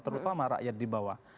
terutama rakyat di bawah